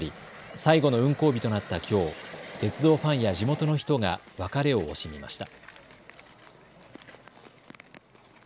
最後の運行日となったきょう鉄道ファンや地元の人が別れを惜しみました。